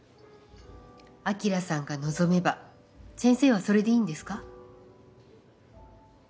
晶さんが望めば先生はそれでいいんですか？